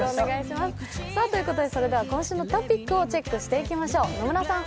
それでは今週のトピックをチェックしていきましょう。